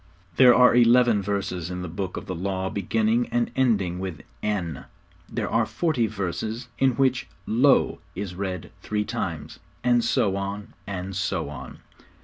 There are eleven verses in the Book of the Law beginning and ending with 'N,' there are forty verses in which 'Lo' is read three times and so on, and so on.